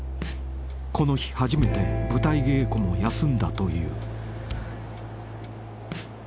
［この日初めて舞台稽古も休んだという］